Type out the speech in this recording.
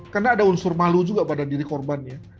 karena ada unsur malu juga pada diri korbannya